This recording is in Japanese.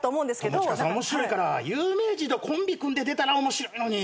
友近さん面白いから有名人とコンビ組んで出たら面白いのに。